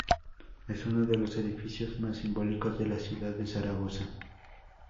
Es uno de los edificios más simbólicos de la ciudad de Zaragoza.